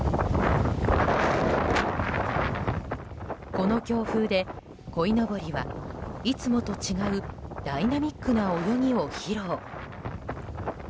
この強風で、こいのぼりはいつもと違うダイナミックな泳ぎを披露。